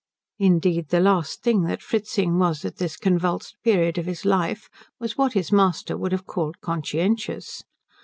Indeed, the last thing that Fritzing was at this convulsed period of his life was what his master would have called conscientious.